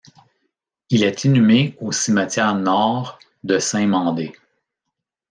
Il est inhumé au cimetière Nord de Saint-Mandé.